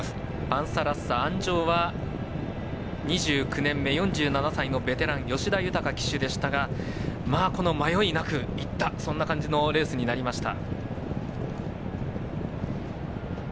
パンサラッサ、鞍上は２９年目４７歳のベテラン吉田豊騎手でしたがこの迷いなくいったそんな感じのレースになりました。